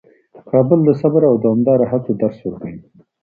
کابل د صبر او دوامداره هڅو درس ورکوي.